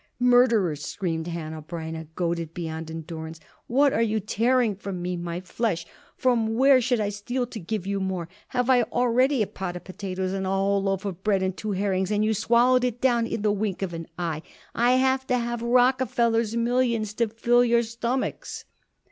"Murderers!" screamed Hanneh Breineh, goaded beyond endurance. "What are you tearing from me my flesh? From where should I steal to give you more? Here I had already a pot of potatoes and a whole loaf of bread and two herrings, and you swallowed it down in the wink of an eye. I have to have Rockefeller's millions to fill your stomachs."